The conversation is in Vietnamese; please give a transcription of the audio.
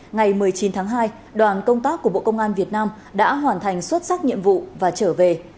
ngày một mươi chín tháng hai đoàn công tác của bộ công an việt nam đã hoàn thành xuất sắc nhiệm vụ và trở về